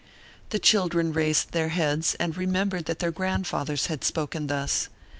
The children raised their heads and remembered that their grandfathers had spoken thus.